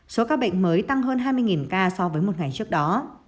số ca bệnh mới tăng hơn hai mươi ca so với một ngày trước đó